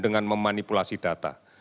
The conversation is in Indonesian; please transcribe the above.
dengan memanipulasi data